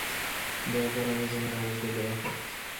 দোয়া কর আমার জন্য তাদেরকে দোয়া কর।